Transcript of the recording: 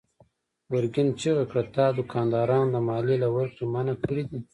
ګرګين چيغه کړه: تا دوکانداران د ماليې له ورکړې منع کړي دي.